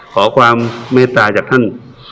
ขอความเมตตาจากท่าน